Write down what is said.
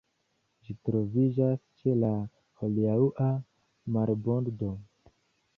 Ĝi troviĝas ĉe la hodiaŭa marbordo.